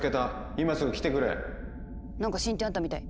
何か進展あったみたい！